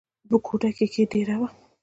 پۀ کوئټه کښې دېره وو،